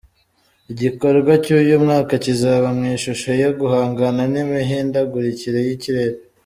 Igikorwa cy’uyu mwaka kizaba mu ishusho yo guhangana n’imihindagurikire y’ikirere.